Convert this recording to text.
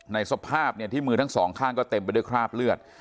ในสภาพที่มือทั้งสองข้างก็เต็มไปด้วยคราบเลือด